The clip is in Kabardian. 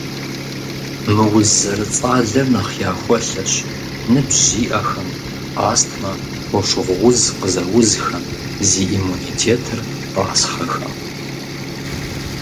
Мы уз зэрыцӀалэр нэхъ яхуэлъэщ ныбжь зиӀэхэм, астмэ, фошыгъу уз къызэузхэм, зи иммунитетыр тӀасхъэхэм.